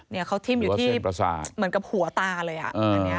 เนี่ยเขาทิ้มอยู่ที่เหมือนกับหัวตาเลยอ่ะ